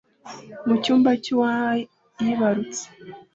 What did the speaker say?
mu cyumba cy'uwanyibarutse